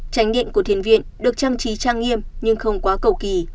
tránh điện của thiền viện được trang trí trang nghiêm nhưng không quá cầu kỳ